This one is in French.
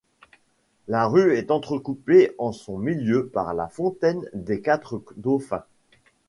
La rue est entrecoupée en son milieu par la fontaine des Quatre-Dauphins.